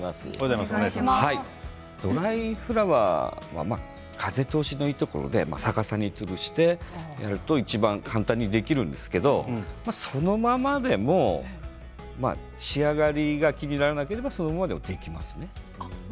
ドライフラワーは風通しのいいところで逆さまにつるしてやるといちばん簡単にできるんですけれどそのままでも仕上がりが気にならなければそのままでも、できますね。